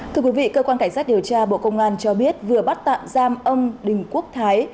thưa quý vị cơ quan cảnh sát điều tra bộ công an cho biết vừa bắt tạm giam ông đình quốc thái